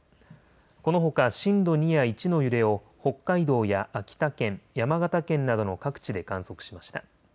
このほか震度２や１の揺れを北海道や秋田県、山形県などの各地で観測しました。